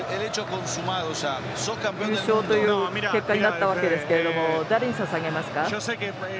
優勝という結果になったわけですが誰にささげますか。